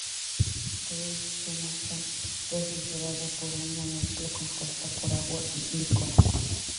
Todo el sistema está refrigerado por una mezcla compuesta por agua y glicol.